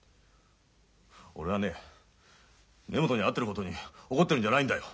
俺はね根本に会ってることに怒ってるんじゃないんだよ。